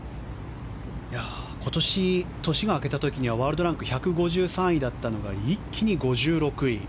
今年、年が明けた時はワールドランク１５３位だったのが一気に５６位。